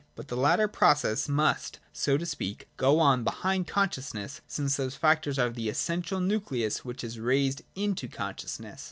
But the latter process must, so to speak, go on behind consciousness, since those facts are the essential nucleus which is raised into consciousness.